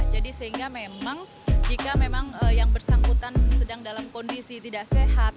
jadi sehingga memang jika memang yang bersangkutan sedang dalam kondisi tidak sehat